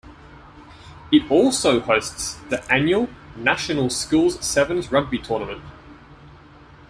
It also hosts the annual National Schools Sevens rugby tournament.